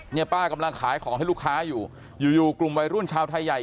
เนี่ยป้ากำลังขายของให้ลูกค้าอยู่อยู่กลุ่มวัยรุ่นชาวไทยใหญ่